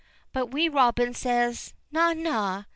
But Wee Robin says: "Na, na!